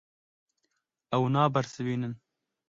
Ew nabersivînin.